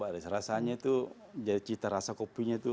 rasa rasanya itu cita rasa kopinya itu